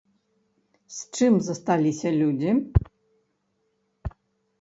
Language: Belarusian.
З чым засталіся людзі?